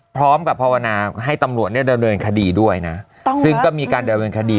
พร้อมกับภาวนาให้ตำรวจเนี่ยเดินเรินคดีด้วยนะต้องก็มีการเดินเรินคดี